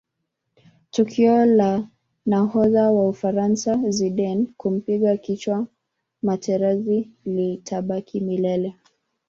tukio la nahodha wa ufaransa zidane kumpiga kichwa materazi litabaki milele